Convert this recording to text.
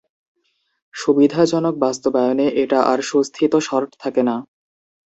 সুবিধাজনক বাস্তবায়নে এটা আর সুস্থিত সর্ট থাকে না।